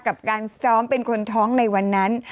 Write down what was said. กับการซ้อมเป็นคนท้องในวันนั้น